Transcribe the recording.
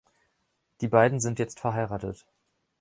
Die beiden sind jetzt verheiratet.